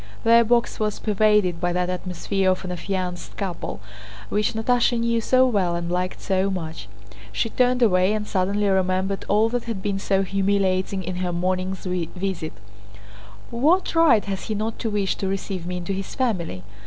Their box was pervaded by that atmosphere of an affianced couple which Natásha knew so well and liked so much. She turned away and suddenly remembered all that had been so humiliating in her morning's visit. "What right has he not to wish to receive me into his family?